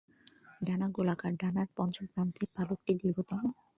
ডানা গোলাকার; ডানার পঞ্চম প্রান্ত-পালকটি দীর্ঘতম।